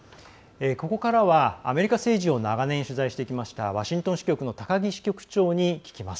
ここからはアメリカ政治を長年取材してきましたワシントン支局の高木支局長に聞きます。